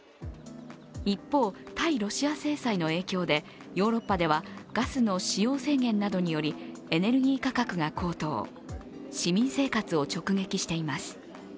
一方、対ロシア制裁の影響でヨーロッパはガスの使用制限などによりエネルギー価格が高騰、市民生活を直撃しています。